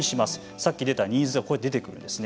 さっき出たニーズが出てくるんですね。